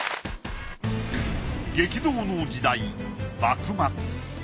激動の時代幕末。